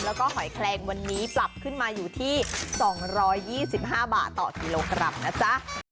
แล้วก็หอยแคลงวันนี้ปรับขึ้นมาอยู่ที่๒๒๕บาทต่อกิโลกรัมนะจ๊ะ